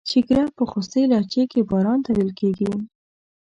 شیګیره په خوستی لهجه کې باران ته ویل کیږي.